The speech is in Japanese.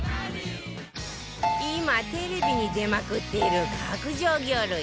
今テレビに出まくっている角上魚類